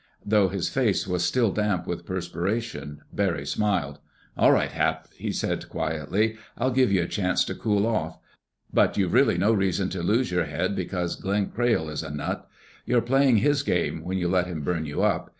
Though his face was still damp with perspiration, Barry smiled. "All right, Hap," he said quietly. "I'll give you a chance to cool off. But you've really no reason to lose your head because Glenn Crayle is a nut. You're playing his game when you let him burn you up.